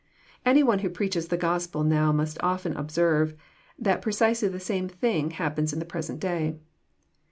Any one who preaches the Gospel now must often observe that precisely the same thing happens in the present day.